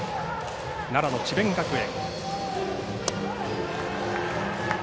奈良の智弁学園。